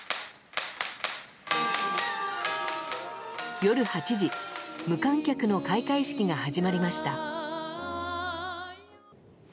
夜８時無観客の開会式が始まりました。